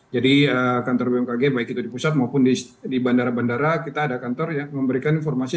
jadi kantor bmkg baik itu di pusat maupun di bandara bandara kita ada kantor yang memberikan informasi